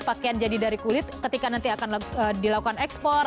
pakaian jadi dari kulit ketika nanti akan dilakukan ekspor